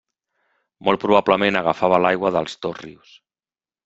Molt probablement agafava l'aigua dels dos rius.